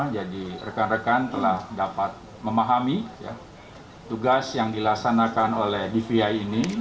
jadi rekan rekan telah dapat memahami tugas yang dilaksanakan oleh dvi ini